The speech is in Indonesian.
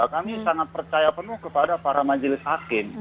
kami sangat percaya penuh kepada para majelis hakim